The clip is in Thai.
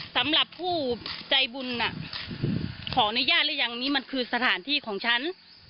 สำหรับผู้ใจบุญน่ะขออนุญาตหรือยังนี่มันคือสถานที่ของฉัน